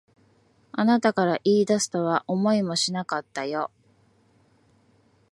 あなたから言い出すとは思いもしなかったよ。